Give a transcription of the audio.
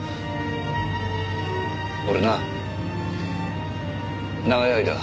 俺な長い間よ